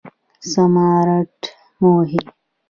سمارټ موخې